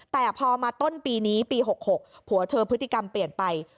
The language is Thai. แต่พอมาต้นปีนี้ปี๖๖ผัวเธอพฤติกรรมเปลี่ยนไป